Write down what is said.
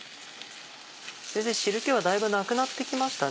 先生汁気はだいぶなくなってきましたね。